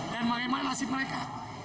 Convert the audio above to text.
dan bagaimana nasib mereka